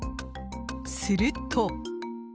すると。